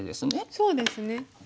そうですね。